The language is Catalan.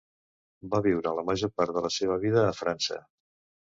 Va viure la major part de la seva vida a França.